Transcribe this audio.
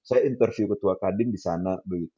saya interview ketua kadin di sana